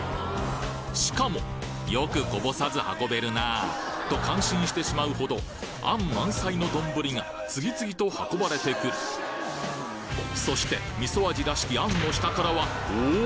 しかも「よくこぼさず運べるなぁ」と感心してしまうほど餡満載の丼が次々と運ばれてくるそして味噌味らしき餡の下からはおぉ！